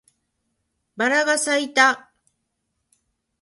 バラが咲いた